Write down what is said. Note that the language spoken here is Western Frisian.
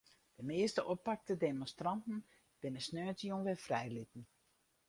De measte oppakte demonstranten binne sneontejûn wer frijlitten.